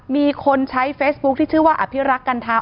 มีคนใช้เฟซบุ๊คที่ชื่อว่าอภิรักษ์กันธรรม